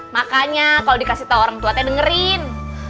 makanya kalo dikasih tau orang tua teh dengerin